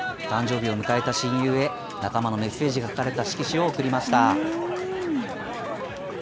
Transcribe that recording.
誕生日を迎えた親友へ、仲間のメッセージが書かれた色紙を贈りました。